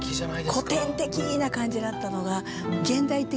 古典的な感じだったのが現代的？